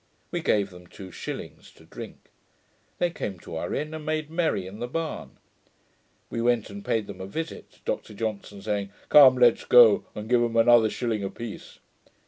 We gave them two shillings to drink. They came to our inn, and made merry in the barn. We went and paid them a visit, Dr Johnson saying, 'Come, let's go and give 'em another shilling a piece.'